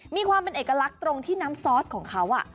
มีความเป็นเอกลักษณ์ตรงที่น้ำซอสของเขา